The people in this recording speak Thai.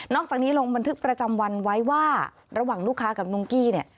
จากนี้ลงบันทึกประจำวันไว้ว่าระหว่างลูกค้ากับนุ้งกี้เนี่ย